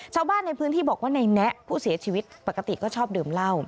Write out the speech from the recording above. ชาวบ้านในพื้นที่บอกว่าในแนะผู้เสียชีวิตปกติก็ชอบดื่มเหล้า